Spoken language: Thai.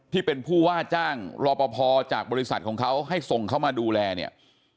ที่เป็นผู้ว่าจ้างรอปภจากบริษัทของเขาให้ส่งเขามาดูแลเนี่ย